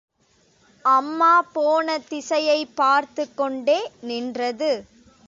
அம்மா போன திசையைப் பார்த்துக் கொண்டே நின்றது.